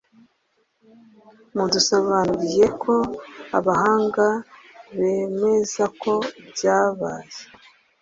mudusobanuriye ko abahanga bemezazako byabaye